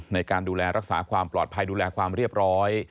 ในการดูแลรักษาความปลอดภัยดูแลความเรียบร้อย